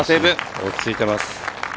落ち着いています。